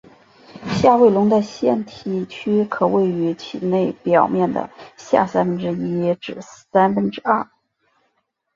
下位笼的腺体区可位于其内表面的下三分之一至三分之二。